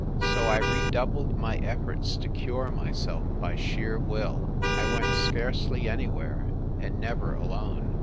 So I redoubled my efforts to cure myself by sheer will. I went scarcely anywhere, and never alone.